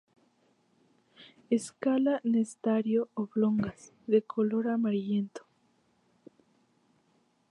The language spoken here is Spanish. Escalas nectario oblongas, de color amarillento.